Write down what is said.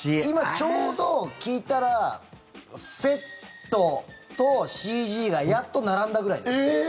今、ちょうど聞いたらセットとＣＧがやっと並んだぐらいですね。